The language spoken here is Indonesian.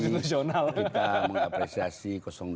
kita mengapresiasi dua